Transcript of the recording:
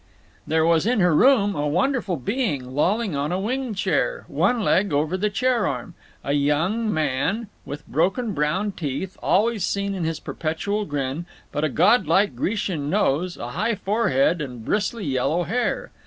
There was in her room a wonderful being lolling in a wing chair, one leg over the chair arm; a young young man, with broken brown teeth, always seen in his perpetual grin, but a godlike Grecian nose, a high forehead, and bristly yellow hair.